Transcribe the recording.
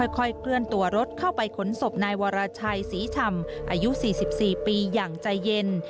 ค่อยเคลื่อนตัวรถเข้าไปขนศพนายวรชัยศรีชำอายุ๔๔ปีอย่างใจเย็น